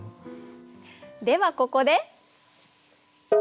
ではここで。